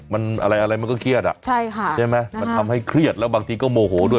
มันอะไรอะไรมันก็เครียดอ่ะใช่ค่ะใช่ไหมมันทำให้เครียดแล้วบางทีก็โมโหด้วย